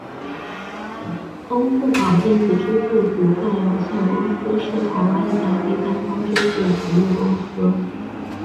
欧付宝电子支付股份有限公司是台湾一家第三方支付服务公司。